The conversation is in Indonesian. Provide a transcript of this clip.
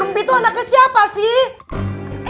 empi tuh anaknya siapa sih